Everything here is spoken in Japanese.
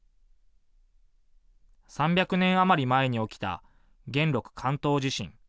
３００年余り前に起きた元禄関東地震。